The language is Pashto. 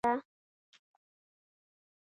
لړم د بارانونو د پیل میاشت ده.